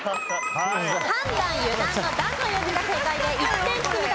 判断油断の「断」という字が正解で１点積み立てです。